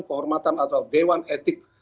kehormatan atau dewan etik